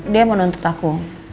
dia menuntut aku